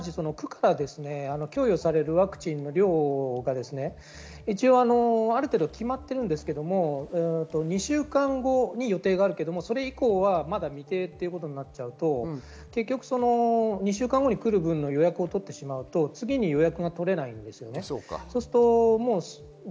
区から供与されるワクチンの量がある程度、決まっているんですけれど２週間後に予定があるけれど、それ以降は未定ということになると、２週間後に来る分の予約を取ってしまうと次に予約が取れないんです。